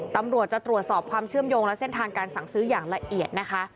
ตำรวจจะตรวจสอบความเชื่อมโยงและเส้นทางการสั่งซื้ออย่างละเอียดนะคะ